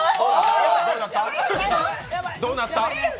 どうなった？